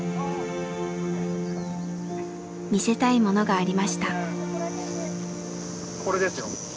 見せたいものがありました。